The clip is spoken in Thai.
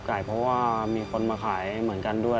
ไก่เพราะว่ามีคนมาขายเหมือนกันด้วย